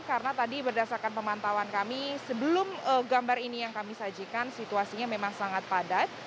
karena tadi berdasarkan pemantauan kami sebelum gambar ini yang kami sajikan situasinya memang sangat padat